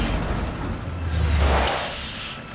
よし。